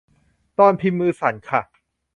ตอนพิมพ์มือสั่นค่ะ